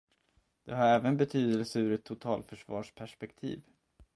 Det har även betydelse ur ett totalförsvarsperspektiv.